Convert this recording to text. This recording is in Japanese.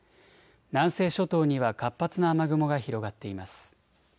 南西諸島には活発な雨雲が広がっています。